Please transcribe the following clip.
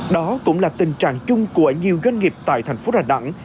đó cũng là tình trạng chung của nhiều doanh nghiệp tại thành phố rà đẳng